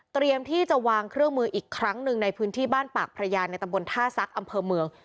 ที่จะวางเครื่องมืออีกครั้งหนึ่งในพื้นที่บ้านปากพระยาในตำบลท่าซักอำเภอเมือง